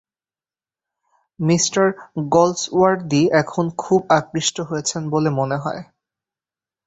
Me Galsworthy এখন খুব আকৃষ্ট হয়েছেন বলে মনে হয়।